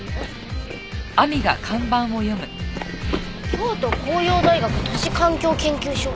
「京都光葉大学都市環境研究所」